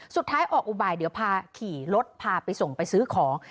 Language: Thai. สุดท้ายออกอุบายเดี๋ยวพาขี่รถพาไปส่งไปซื้อของ